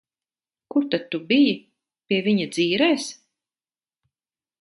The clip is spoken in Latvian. Kur tad tu biji? Pie viņa dzīrēs?